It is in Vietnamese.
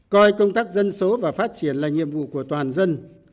coi công tác dân số và phát triển là nhiệm vụ của toàn dân